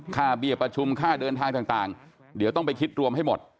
เบี้ยประชุมค่าเดินทางต่างเดี๋ยวต้องไปคิดรวมให้หมด